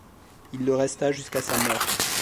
Il le resta jusqu'à sa mort.